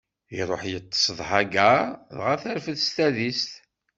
Iṛuḥ iṭṭeṣ d Hagaṛ, dɣa terfed s tadist.